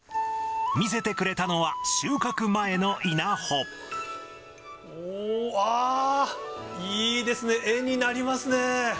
見せてくれたのは、収穫前のおー、あー、いいですね、絵になりますね。